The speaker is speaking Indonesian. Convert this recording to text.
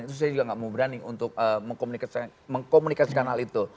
itu saya juga nggak mau berani untuk mengkomunikasikan hal itu